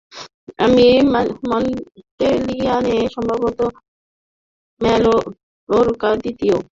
তিনি মন্টেপিলারে সম্ভবত ম্যালোর্কা দ্বিতীয় জেমসকে সহায়তার কাযে নিযুক্ত হন।